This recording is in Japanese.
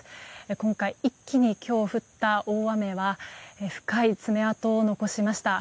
今回、一気に今日降った大雨は深い爪痕を残しました。